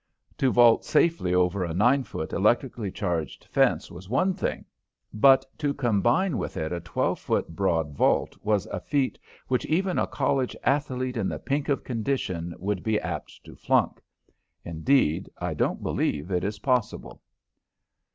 To vault safely over a nine foot electrically charged fence was one thing, but to combine with it a twelve foot broad vault was a feat which even a college athlete in the pink of condition would be apt to flunk. Indeed, I don't believe it is possible.